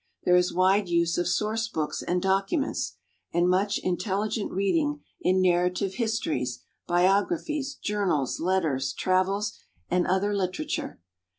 There is wide use of source books and documents, and much intelligent reading in narrative histories, biographies, journals, letters, travels, and other literature.